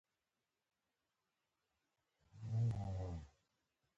دې نجلۍ زړې جامې اغوستې وې او ظاهراً ښکلې نه وه